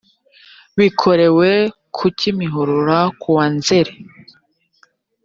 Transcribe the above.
bikorewe ku kimihurura kuwa nzeri